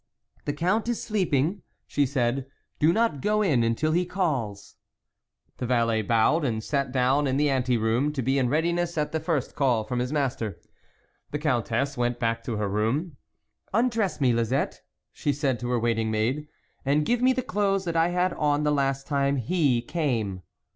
" The Count is sleeping," she said, " do not go in until he calls." The valet bowed and sat down in the ante room to be in readiness at the first call from his master. The Countess went back to her room. " Undress me, Lisette," she said to her waiting maid, " and give me the clothes that I had on the last time he came."